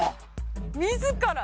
自ら。